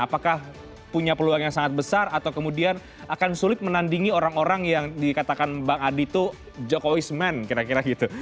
apakah punya peluang yang sangat besar atau kemudian akan sulit menandingi orang orang yang dikatakan bang adi itu jokowis ⁇ man kira kira gitu